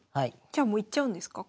じゃあもういっちゃうんですか？